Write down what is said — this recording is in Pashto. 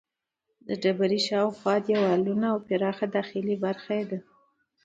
د ډبرې شاوخوا دیوالونه او پراخه داخلي برخه ده.